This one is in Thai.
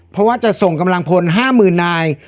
เพราะว่าจะส่งกำลังพนธุ์๕หมื่นนาย